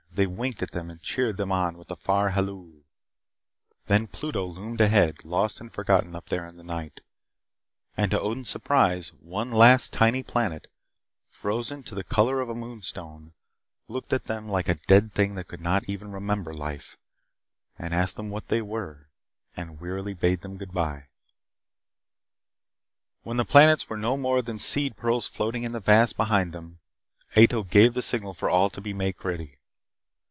They winked at them and cheered them on with a far halloo. Then Pluto loomed ahead, lost and forgotten up there in the night. And to Odin's surprise, one last tiny planet, frozen to the color of a moonstone, looked at them like a dead thing that could not even remember life and asked them what they were and wearily bade them goodbye. When the planets were no more than seed pearls floating in the vast behind them, Ato gave the signal for all to make ready.